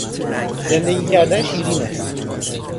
زندگی کردن شیرین است.